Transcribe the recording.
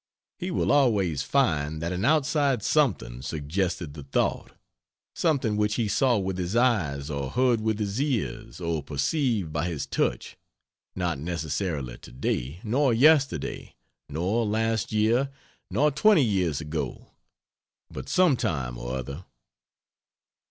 He will always find that an outside something suggested the thought, something which he saw with his eyes or heard with his ears or perceived by his touch not necessarily to day, nor yesterday, nor last year, nor twenty years ago, but sometime or other.